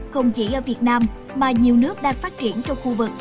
không chỉ ở việt nam mà nhiều nước đang phát triển trong khu vực